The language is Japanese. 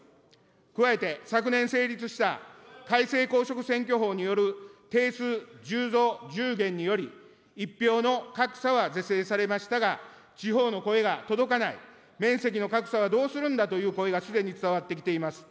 加えて昨年成立した改正公職選挙法による定数１０増１０減により、１票の格差は是正されましたが、地方の声が届かない、面積の格差はどうするんだという声がすでに伝わってきています。